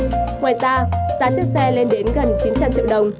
ngoài ra giá chiếc xe lên đến gần chín trăm linh triệu đồng